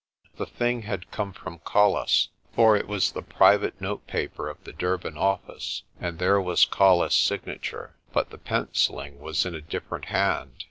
The thing had come from Colles, for it was the private notepaper of the Durban office, and there was Colles' signa ture. But the pencilling was in a different hand.